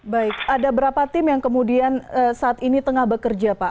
baik ada berapa tim yang kemudian saat ini tengah bekerja pak